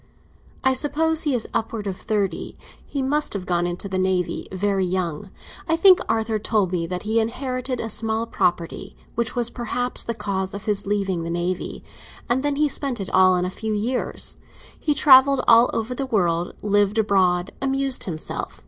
"I suppose he is upwards of thirty. He must have gone into the Navy very young. I think Arthur told me that he inherited a small property—which was perhaps the cause of his leaving the Navy—and that he spent it all in a few years. He travelled all over the world, lived abroad, amused himself.